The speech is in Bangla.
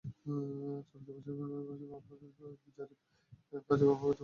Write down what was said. চলতি বছরের ফেব্রুয়ারিতে মামলাটি বিচারিক কার্যক্রমের জন্য বিশেষ ট্রাইব্যুনালে স্থানান্তরিত হয়ে আসে।